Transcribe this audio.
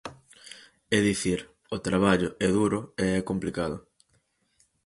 É dicir, o traballo é duro e é complicado.